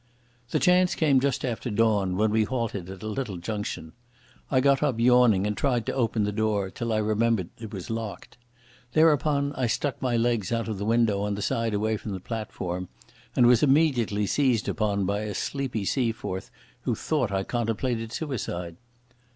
The chance came just after dawn, when we halted at a little junction. I got up yawning and tried to open the door, till I remembered it was locked. Thereupon I stuck my legs out of the window on the side away from the platform, and was immediately seized upon by a sleepy Seaforth who thought I contemplated suicide.